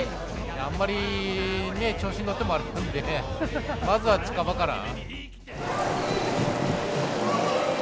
あんまり調子に乗ってもあれなんで、まずは近場から。